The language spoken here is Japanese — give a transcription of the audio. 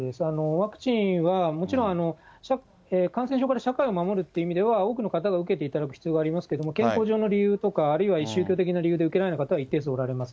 ワクチンはもちろん、感染症から社会を守るっていう意味では多くの方が受けていただく必要がありますけど、健康上の理由とか、あるいは宗教的な理由で受けられない方は一定数おられます。